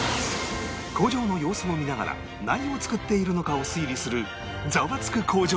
工場の様子を見ながら何を作っているのかを推理する